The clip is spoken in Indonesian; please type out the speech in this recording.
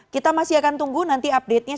kita masih akan tunggu nanti update nya